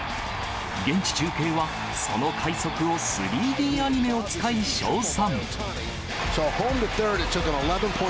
現地中継は、その快足を３Ｄアニメを使い、称賛。